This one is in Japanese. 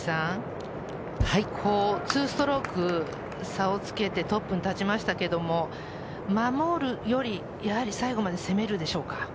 ２ストローク差をつけてトップに立ちましたけれど守るよりやはり最後まで攻めるでしょうか？